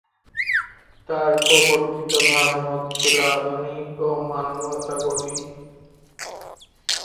তার প্রবর্তিত ধর্মমত ছিল আধুনিক ও মানবতাবদী।